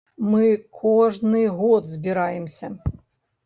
Мы кожны год збіраемся.